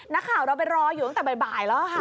นักข่าวเราไปรออยู่ตั้งแต่บ่ายแล้วค่ะ